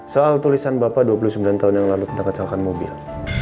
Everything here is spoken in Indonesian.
soal tulisan bapak dua puluh sembilan tahun yang lalu kita kecilkan mobil